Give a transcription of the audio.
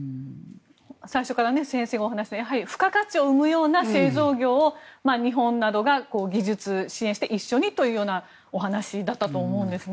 最初から先生がお話になった付加価値を生むような製造業を日本などが技術支援して一緒にというようなお話だったと思うんですね。